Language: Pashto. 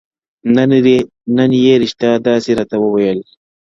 نن یې ریشا داسي راته وویل ,